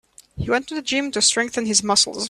He went to gym to strengthen his muscles.